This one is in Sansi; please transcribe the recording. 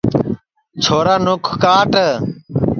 چھورا نُکھ کاٹ